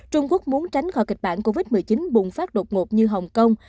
trung quốc muốn tránh khỏi kịch bản covid một mươi chín bùng phát đột ngột như hồng kông